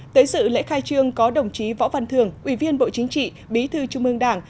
tới sự lễ khai trương có đồng chí võ văn thường ủy viên bộ chính trị bí thư trung ương đảng